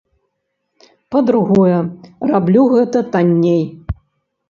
Па-другое, раблю гэта танней.